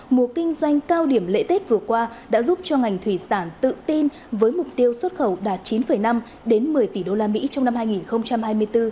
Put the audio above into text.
mùa kinh doanh cao điểm lễ tết vừa qua đã giúp cho ngành thủy sản tự tin với mục tiêu xuất khẩu đạt chín năm một mươi tỷ usd trong năm hai nghìn hai mươi bốn